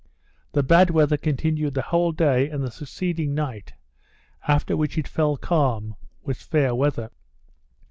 The bad weather continued the whole day and the succeeding night, after which it fell calm with fair weather.